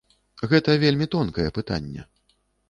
Гэта вельмі тонкае пытанне.